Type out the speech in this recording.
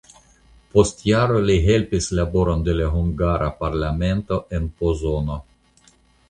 Post jaro li helpis laboron de la hungara parlamento en Pozono.